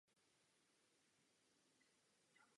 Celá rodina se hlásí ke křesťanství.